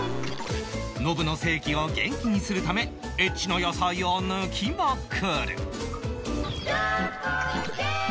ノブの性器を元気にするためエッチな野菜を抜きまくる！